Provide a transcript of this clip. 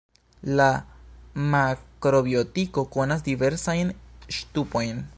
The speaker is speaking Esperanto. La makrobiotiko konas diversajn ŝtupojn.